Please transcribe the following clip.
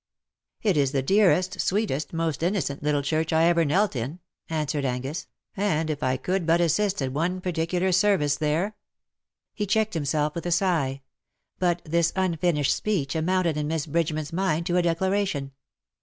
^^^' It is the dearest, sweetest, most innocent little church I ever knelt in," answered Angus ;" and if I could but assist at one particular service there '' He checked himself with a sigh ; but this un finished speech amounted in Miss Bridgeman's mind to a declaration.